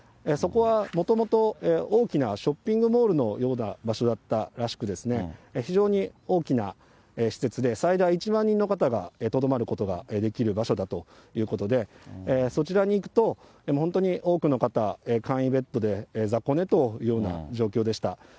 そこはもともと、大きなショッピングモールのような場所だったらしく、非常に大きな施設で、最大１万人の方がとどまることができる場所だということで、そちらに行くと、本当に多くの方、簡易ベッドで雑魚寝というような状況でした。